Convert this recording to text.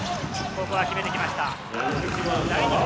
ここは決めてきました。